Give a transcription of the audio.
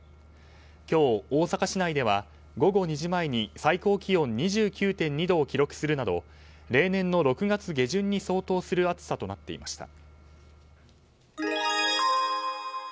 今日、大阪市内では午後２時前に最高気温２９．２度を記録するなど例年の６月下旬に相当する暑さとなっていました。